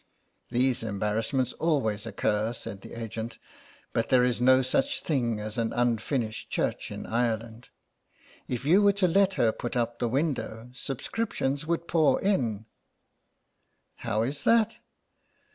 " These embarrassments always occur," said the agent, " but there is no such thing as an unfinished church in Ireland ; if you were to let her put up the window subscriptions would pour in." " How is that